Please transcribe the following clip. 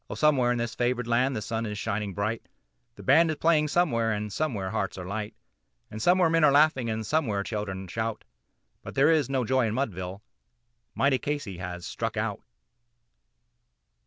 Oh! somewhere in this favored land the sun is shining bright, The band is playing somewhere, and somewhere hearts are light, And somewhere men are laughing, and somewhere children shout; But there is no joy in Mudville mighty Casey has "Struck Out."